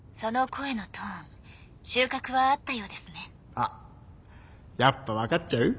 あっやっぱ分かっちゃう？